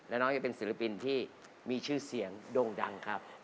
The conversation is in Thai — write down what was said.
แล้วน้องจะเป็นศิลปินที่มีชื่อเสียงด่งดังครับ